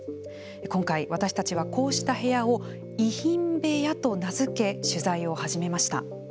今回私たちは、こうした部屋を遺品部屋と名付け取材を始めました。